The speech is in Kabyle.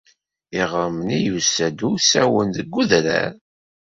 Iɣrem-nni yusa-d usawen, deg udrar.